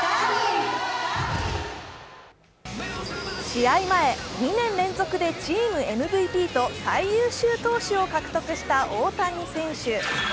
試合前、２年連続でチームＭＶＰと最優秀選手を獲得した大谷選手。